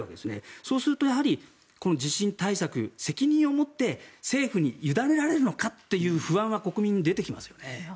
そうすると、地震対策責任を持って政府に委ねられるのかという不安は国民に出てきますよね。